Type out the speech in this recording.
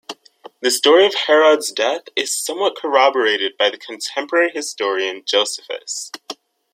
The story of Herod's death is somewhat corroborated by the contemporary historian Josephus.